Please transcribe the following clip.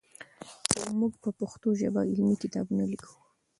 موږ په پښتو ژبه علمي کتابونه لیکو.